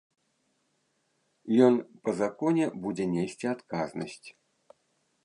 Ён па законе будзе несці адказнасць.